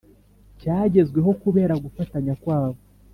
cyagezweho kubera gufatanya kwabo.